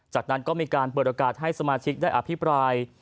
จากนั้นก็มีการเปิดโอกาสให้สมาชิกได้อภิปราย